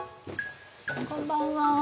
こんばんは。